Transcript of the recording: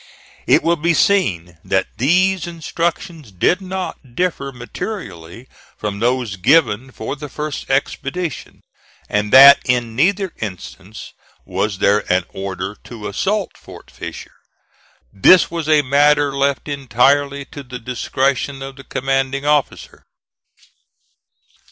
It will be seen that these instructions did not differ materially from those given for the first expedition, and that in neither instance was there an order to assault Fort Fisher. This was a matter left entirely to the discretion of the commanding officer.